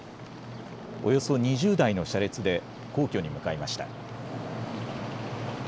およそ２０台の車列で皇居に向かいました。